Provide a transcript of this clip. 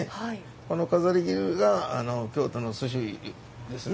この飾り切りが京都の寿司ですね。